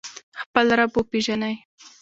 خپل رب وپیژنئ